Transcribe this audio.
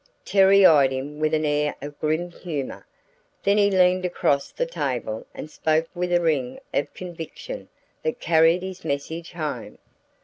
Terry eyed him with an air of grim humor, then he leaned across the table and spoke with a ring of conviction that carried his message home.